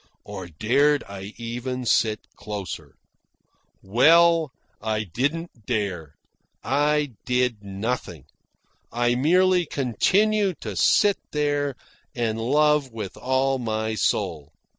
Or dared I even sit closer? Well, I didn't dare. I did nothing. I merely continued to sit there and love with all my soul.